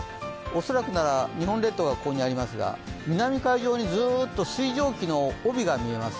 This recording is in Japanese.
恐らく、日本列島がここにありますが、南海上にずっと水蒸気の帯が見えます。